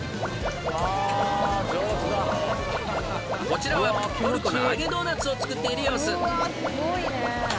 ［こちらはトルコの揚げドーナツを作っている様子］